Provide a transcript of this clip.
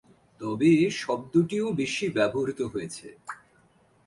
তবে শব্দটিও বেশি ব্যবহৃত হয়েছে।